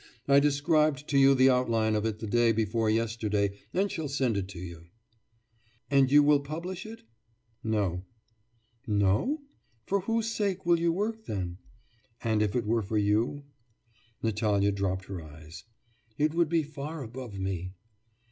I described to you the outline of it the day before yesterday, and shall send it to you.' 'And you will publish it?' 'No.' 'No? For whose sake will you work then?' 'And if it were for you?' Natalya dropped her eyes. 'It would be far above me.